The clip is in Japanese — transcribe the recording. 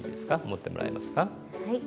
持ってもらえますか？